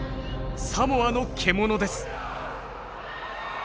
サモアの獣です。